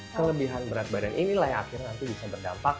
kelebihan berat badan inilah yang akhirnya bisa berdampak ke diabetes poliidus